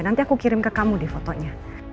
nanti aku kirim ke kamu deh fotonya